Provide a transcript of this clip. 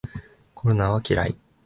コロナは嫌い